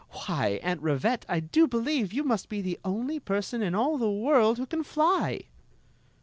Why, Aunt Rivette, I do believe you must be the only person in all the world who can fly!"